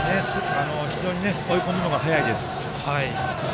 非常に追い込むのが早いです。